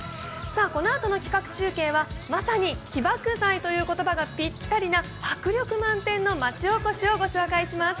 このあとの企画中継はまさに起爆剤という言葉がぴったりな迫力満点の町おこしをご紹介します。